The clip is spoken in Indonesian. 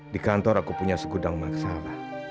di kantor aku punya segudang masalah